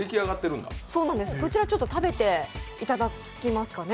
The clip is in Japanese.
こちらちょっと食べていただきますかね。